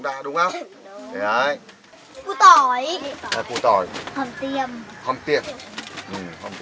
mũ tiếng mông